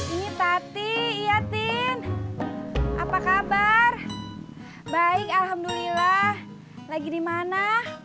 ini tati iya tin apa kabar baik alhamdulillah lagi dimana